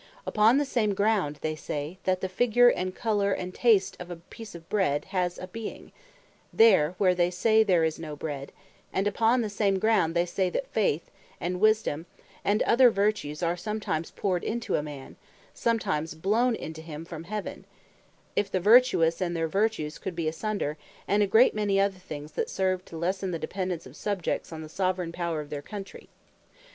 Upon the same ground they say, that the Figure, and Colour, and Tast of a peece of Bread, has a being, there, where they say there is no Bread: And upon the same ground they say, that Faith, and Wisdome, and other Vertues are sometimes powred into a man, sometimes blown into him from Heaven; as if the Vertuous, and their Vertues could be asunder; and a great many other things that serve to lessen the dependance of Subjects on the Soveraign Power of their Countrey.